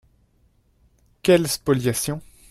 Quelle spoliation